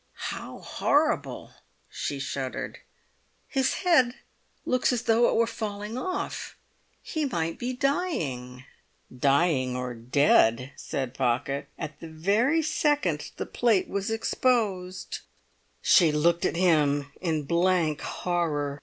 "How horrible!" she shuddered. "His head looks as though it were falling off! He might be dying." "Dying or dead," said Pocket, "at the very second the plate was exposed!" She looked at him in blank horror.